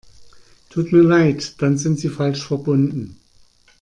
Tut mir leid, dann sind Sie falsch verbunden.